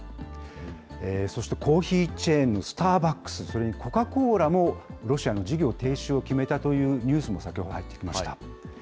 そしてコーヒーチェーンのスターバックス、それにコカ・コーラもロシアの事業停止を決めたというニュースも先ほど入ってきました。